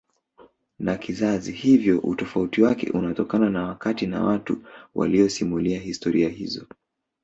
na kizazi hivyo utofauti wake unatokana na wakati na watu waliyosimulia historia hizo